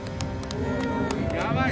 ・やばい！